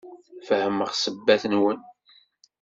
Fehmeɣ ssebbat-nwen.